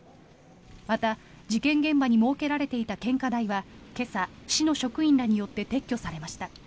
また、事件現場に設けられていた献花台は今朝、市の職員らによって撤去されました。